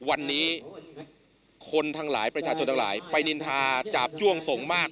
วันนี้คนทั้งหลายประชาชนทั้งหลายไปนินทาจาบจ้วงส่งมาก